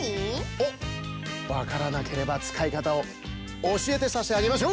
おっわからなければつかいかたをおしえてさしあげましょう。